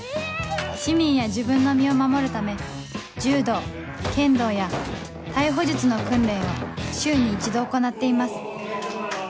市民や自分の身を守るため柔道剣道や逮捕術の訓練を週に１度行っています